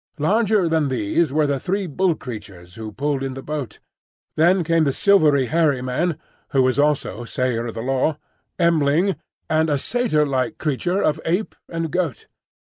Larger than these were the three bull creatures who pulled in the boat. Then came the silvery hairy man, who was also the Sayer of the Law, M'ling, and a satyr like creature of ape and goat.